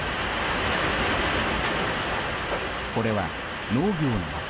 これは農業の街